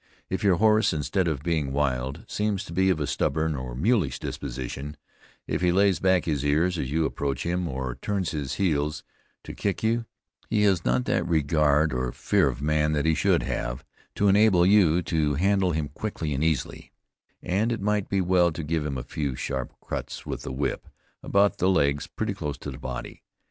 If your horse, instead of being wild, seems to be of a stubborn or mulish disposition; if he lays back his ears as you approach him, or turns his heels to kick you, he has not that regard or fear of man that he should have, to enable you to handle him quickly and easily; and it might be well to give him a few sharp cuts with the whip, about the legs, pretty close to the body.